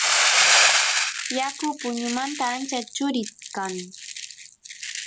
yaku puñumanta ancha churi kan